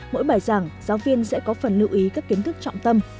mỗi bài giảng giáo viên sẽ có phần lưu ý các kiến thức trọng tâm